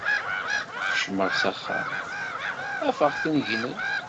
Kecmeɣ s axxam, afeɣ-ten gnen.